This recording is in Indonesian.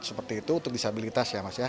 seperti itu untuk disabilitas ya mas ya